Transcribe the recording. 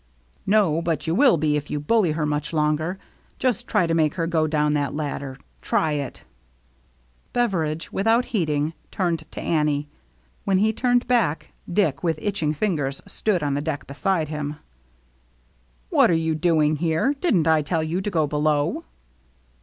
No, but you will be if you bully her much longer. Just try to make her go down that ladder. Try it!" Beveridge, without heeding, turned to Annie. 212 THE MERRT JXNE When he turned back, Dick, with itching fingers, stood on the deck beside him. " What are you doing here ? Didn't I tell you to go below